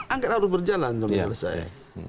angkat harus berjalan menurut saya